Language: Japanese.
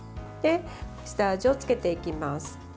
下味をつけていきます。